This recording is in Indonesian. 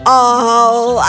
oh aku sengaja